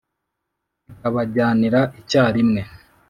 Kikabajyanira icyarimwe